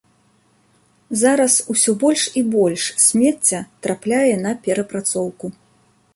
Зараз ўсё больш і больш смецця трапляе на перапрацоўку.